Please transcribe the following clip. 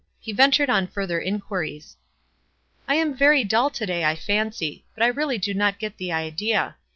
He ventured on further inquiries. " I am very dull to day, I fancy ; but I really do not get the idea.